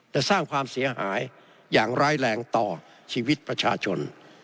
แต่สร้างความเสียหายอย่างร้ายแรงต่อชีวิตประชาชน